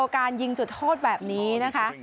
การยิงจุดโทษแบบนี้นะคะ